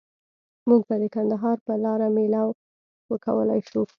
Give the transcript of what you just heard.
موږ به د کندهار په لاره میله وکولای شو؟